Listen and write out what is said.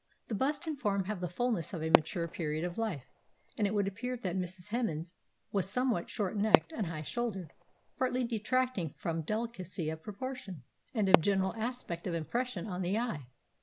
The bust and form have the fulness of a mature period of life; and it would appear that Mrs. Hemans was somewhat short necked and high shouldered, partly detracting from delicacy of proportion, and of general aspect of impression on the eye.